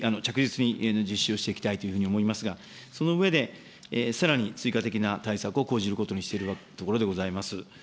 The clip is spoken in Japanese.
引き続き、着実に実施をしていきたいと思いますが、その上でさらに追加的な対策を講じることにしているところでございます。